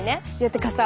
てかさ